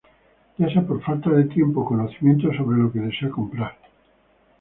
Ya sea por falta de tiempo o conocimiento sobre lo que desea comprar.